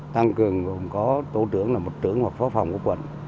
tăng cường gồm có tổ trưởng là một trưởng hoặc phó phòng của quận